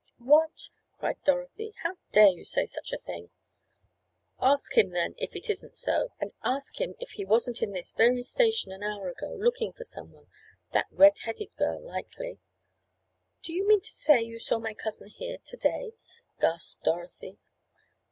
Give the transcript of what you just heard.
"What!" cried Dorothy. "How dare you say such a thing?" "Ask him, then, if it isn't so. And ask him if he wasn't in this very station an hour ago, looking for some one—that red headed girl, likely." "Do you mean to say you saw my cousin here to day?" gasped Dorothy.